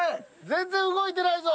全然動いてないぞ。